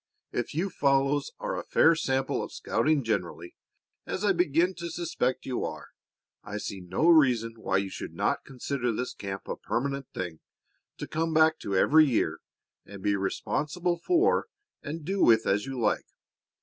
If you fellows are a fair sample of scouting generally, as I begin to suspect you are, I see no reason why you should not consider this camp a permanent thing, to come back to every year and be responsible for and do with as you like.